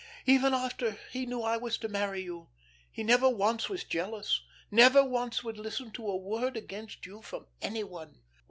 "Even after he knew I was to marry you. He never once was jealous, never once would listen to a word against you from any one."